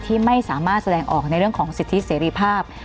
ที่ไม่สามารถแสดงออกในเรื่องของสิทธิเสรีภาพ